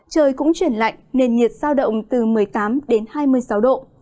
trời cũng chuyển lạnh nền nhiệt sao động từ một mươi tám đến hai mươi sáu độ